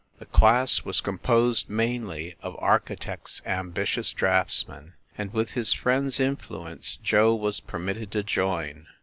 The class was com posed mainly of architects ambitious draftsmen, and with his friend s influence, Joe was permitted to join.